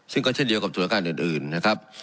ซึ่งก็เช่นเดียวกับส่วนการอื่นนะครับ